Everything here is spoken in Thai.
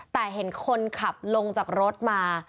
แต่เห็นคนขับลงจากรถมา